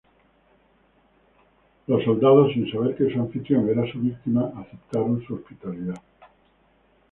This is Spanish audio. Los soldados, sin saber que su anfitrión era su víctima, aceptaron su hospitalidad.